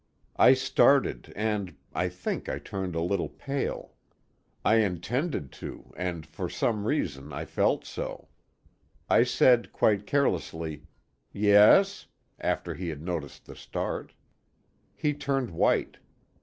I started, and I think I turned a little pale. I intended to, and for some reason, I felt so. I said quite carelessly: "Yes?" after he had noticed the start. He turned white.